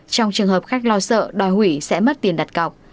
trong trường hợp khách lo sợ đòi hủy sẽ mất tiền đặt cọc